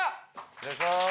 お願いします。